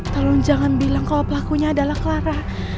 tolong jangan bilang kalau pelakunya adalah clara